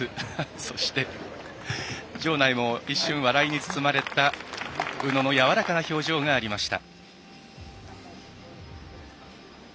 そして、場内も一瞬笑いに包まれた宇野のやわらかな表情がありました。